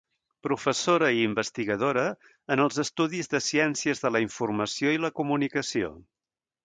Professora i investigadora en els Estudis de Ciències de la Informació i la Comunicació.